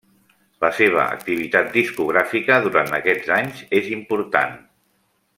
La seva activitat discogràfica durant aquests anys és important.